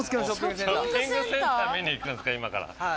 ショッピングセンター見に行くんですか今から。